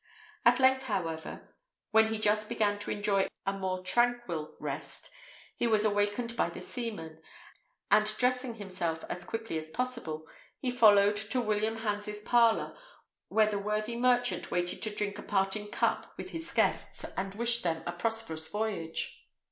At length, however, when he just began to enjoy a more tranquil rest, he was awakened by the seaman; and dressing himself as quickly as possible, he followed to William Hans's parlour, where the worthy merchant waited to drink a parting cup with his guests and wish them a prosperous voyage.